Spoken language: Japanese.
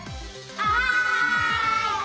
はい！